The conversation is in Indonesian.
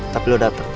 tapi lo dateng